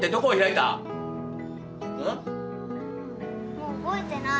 もう覚えてない。